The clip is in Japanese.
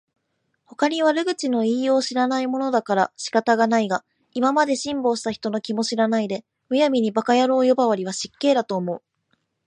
ほかに悪口の言いようを知らないのだから仕方がないが、今まで辛抱した人の気も知らないで、無闇に馬鹿野郎呼ばわりは失敬だと思う